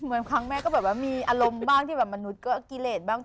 บางครั้งแม่ก็มีอารมณ์บ้างที่มนุษย์กิเลสบ้าง